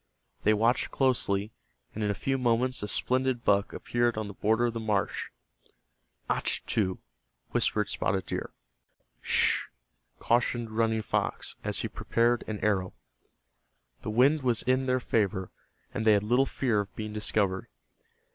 They watched closely, and in a few moments a splendid buck appeared on the border of the marsh. "Achtu," whispered Spotted Deer. "Sh," cautioned Running Fox, as he prepared an arrow. The wind was in their favor, and they had little fear of being discovered.